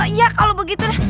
iya kalo begitu dah